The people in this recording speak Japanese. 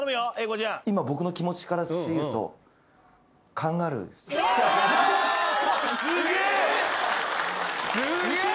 今僕の気持ちからするとカンガルーですすげえ！